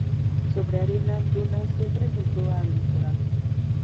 Sobre arena, dunas, siempre junto al litoral.